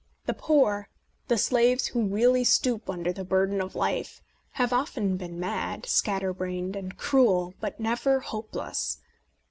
The poor — the slaves who really stoop under the burden of life — have often been mad, scatter brained and cruel, but never hopeless.